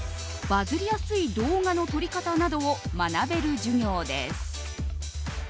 バズりやすい動画の撮り方などを学べる授業です。